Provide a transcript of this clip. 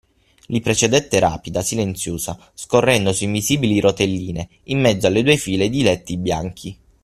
Li precedette rapida, silenziosa, scorrendo su invisibili rotelline, in mezzo alle due file di letti bianchi.